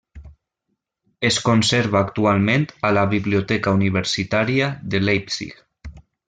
Es conserva actualment a la biblioteca universitària de Leipzig.